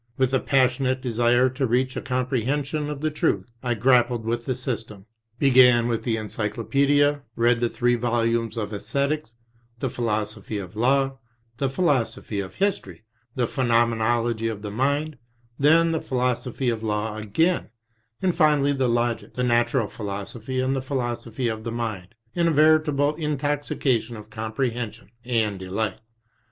With a passionate desire to reach a comprehension of the truth, I grappled with the System, began with the Encyclo paedia, read the three volumes of ^Esthetics, The Philosophy of Law, the Philosophy of History, the Phenomenology of the Mind, then the Philosophy of Law again, and finally the Logic, the Natural Philosophy and the Philosophy of the Mind in a veritable intoxication of comprehension and delight.